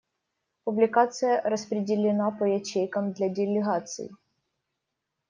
Публикация распределена по ячейкам для делегаций.